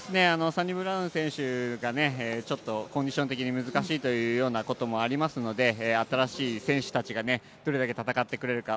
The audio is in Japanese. サニブラウン選手がコンディション的に難しいということもありますので新しい選手たちがどれだけ戦ってくれるか。